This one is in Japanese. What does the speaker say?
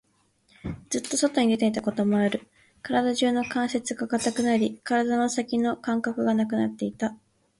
ずっと外に出ていたこともある。体中の関節が堅くなり、体の先の感覚がなくなっていた。